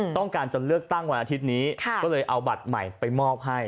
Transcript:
ต้องการจะเลือกตั้งวันอาทิตย์นี้ก็เลยเอาบัตรใหม่ไปมอบให้